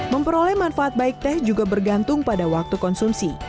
memperoleh manfaat baik teh juga bergantung pada waktu konsumsi